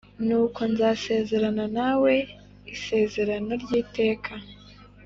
Nuko nzasezerana nawe isezerano ry’iteka